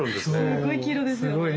すっごい黄色ですよね。